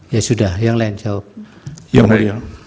ya sudah yang lain jawab